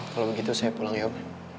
kalau begitu saya pulang ya pak